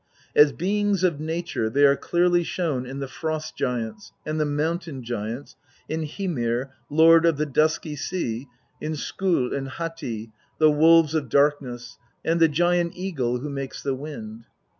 As beings of nature they are clearly shown in the Frost giants, and the Mountain giants, in Hymir, lord of the dusky sea, in Skoll and Hati, the wolves of darkness, and the giant eagle who makes the wind.